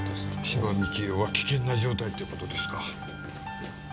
芝美紀江は危険な状態って事ですか。